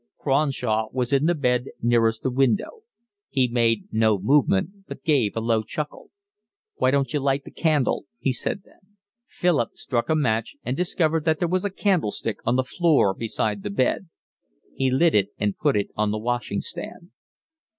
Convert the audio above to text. Cronshaw was in the bed nearest the window. He made no movement, but gave a low chuckle. "Why don't you light the candle?" he said then. Philip struck a match and discovered that there was a candlestick on the floor beside the bed. He lit it and put it on the washing stand.